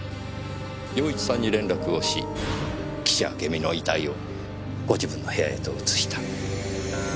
陽一さんに連絡をし岸あけみの遺体をご自分の部屋へと移した。